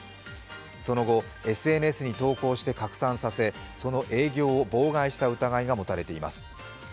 その後、ＳＮＳに投稿して拡散させその営業を妨害した疑いが持たれています。